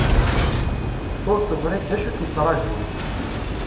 Ur teẓriḍ d acu ik-d-ittrajun.